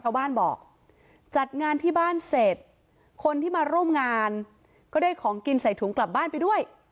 ชาวบ้านบอกจัดงานที่บ้านเสร็จคนที่มาร่วมงานก็ได้ของกินใส่ถุงกลับบ้านไปด้วย